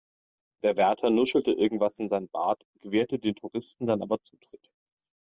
Der Wärter nuschelte irgendwas in seinen Bart, gewährte den Touristen dann aber Zutritt.